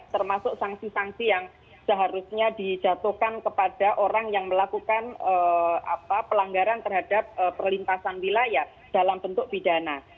termasuk sanksi sanksi yang seharusnya dijatuhkan kepada orang yang melakukan pelanggaran terhadap perlintasan wilayah dalam bentuk pidana